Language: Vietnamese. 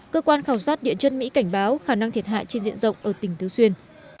cơ quan khảo sát địa chân mỹ cảnh báo khả năng thiệt hại trên diện rộng ở tỉnh tứ xuyên